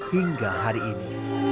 hingga hari ini